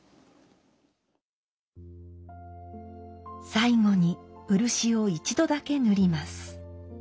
最後に漆を一度だけ塗ります。